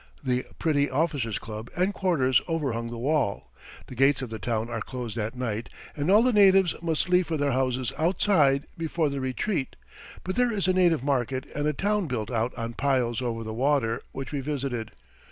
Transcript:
The pretty Officers' Club and quarters overhung the wall. The gates of the town are closed at night, and all the natives must leave for their houses outside before the "retreat," but there is a native market and a town built out on piles over the water, which we visited.